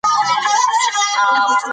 طبیعي منابع د چاپېر یال ساتنې سره تړاو لري.